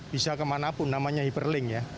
bisa kemanapun namanya hyperling ya